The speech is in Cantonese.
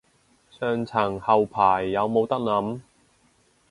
上層後排有冇得諗